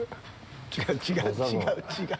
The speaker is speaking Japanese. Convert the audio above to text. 違う違う。